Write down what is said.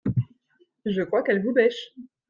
Je crois qu’elle vous bêche !